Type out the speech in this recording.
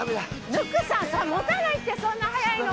温さん持たないってそんな速いの。